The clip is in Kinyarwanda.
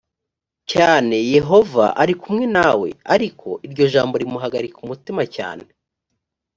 cyane yehova i ari kumwe nawe ariko iryo jambo rimuhagarika umutima cyane